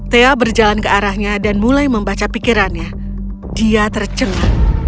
thea berjalan ke arahnya dan mulai membaca pikirannya dia tercengang